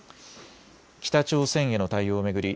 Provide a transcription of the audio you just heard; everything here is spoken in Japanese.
北朝鮮への対応を巡り